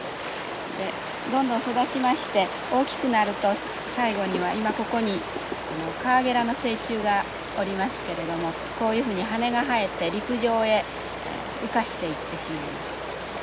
でどんどん育ちまして大きくなると最後には今ここにカワゲラの成虫がおりますけれどもこういうふうに羽が生えて陸上へ羽化していってしまいます。